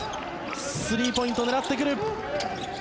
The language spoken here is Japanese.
スリーポイントを狙ってくる。